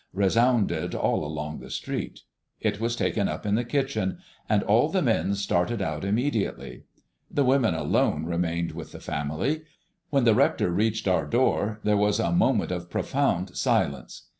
resounded all along the street. It was taken up in the kitchen, and all the men started out immediately. The women alone remained with the family. When the rector reached our door, there was a moment of profound silence.